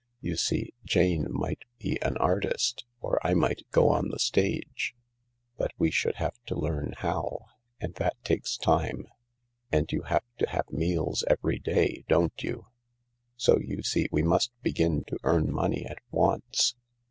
You see, Jane might be an artist, or I might go on the stage, but we should have to learn how— and that takes time ; and you have to have meals every day, don't you ? So you see we must begin to earn money at once.